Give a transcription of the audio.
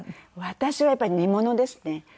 私はやっぱり煮物ですね。